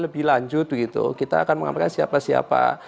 lebih lanjut gitu kita akan mengamankan siapa siapa